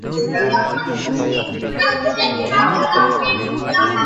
WWF ছাড়াও তিনি WCW তে রেসলিং করেছেন।